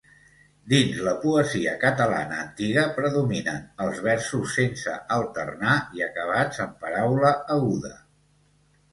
Dins la poesia catalana antiga predominen els versos sense alternar i acabats en paraula aguda.